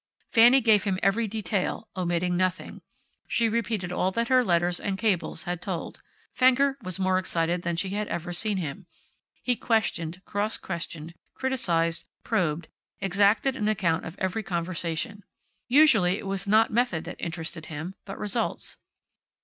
Fanny gave him every detail, omitting nothing. She repeated all that her letters and cables had told. Fenger was more excited than she had ever seen him. He questioned, cross questioned, criticized, probed, exacted an account of every conversation. Usually it was not method that interested him, but results.